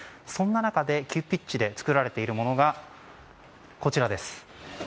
そんな中で急ピッチで作られているものがこちらです。